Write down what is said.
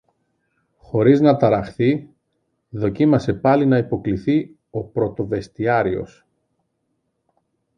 Χωρίς να ταραχθεί, δοκίμασε πάλι να υποκλιθεί ο πρωτοβεστιάριος.